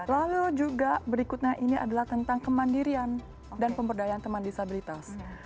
lalu juga berikutnya ini adalah tentang kemandirian dan pemberdayaan teman disabilitas